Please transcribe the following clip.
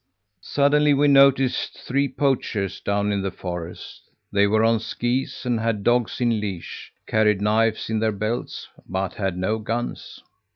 "Suddenly we noticed three poachers down in the forest! They were on skis, had dogs in leash, carried knives in their belts, but had no guns.